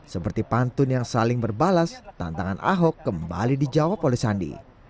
seperti pantun yang saling berbalas tantangan ahok kembali dijawab oleh sandi